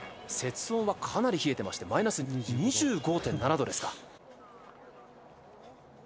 雪温はかなり冷えていましてマイナス２５．７度ですか。